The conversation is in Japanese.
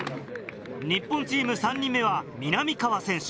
日本チーム３人目はみなみかわ選手。